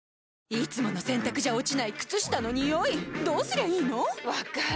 いつもの洗たくじゃ落ちない靴下のニオイどうすりゃいいの⁉分かる。